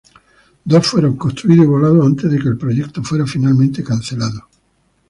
Dos fueron construidos y volados antes de que el proyecto fuera finalmente cancelado.